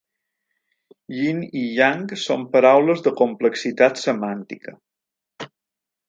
Yin i yang són paraules de complexitat semàntica.